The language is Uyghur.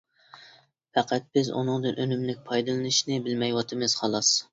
پەقەت بىز ئۇنىڭدىن ئۈنۈملۈك پايدىلىنىشنى بىلمەيۋاتىمىز، خالاس.